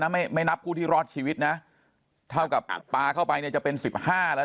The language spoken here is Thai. นะไม่นับกู้ที่รอดชีวิตนะเท่ากับปลาเข้าไปจะเป็น๑๕แล้ว